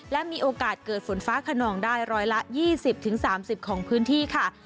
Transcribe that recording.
และมีโอกาสเกิดฝนฟ้าขนองได้ร้อยละ๒๐๓๐ของพื้นที่ค่ะ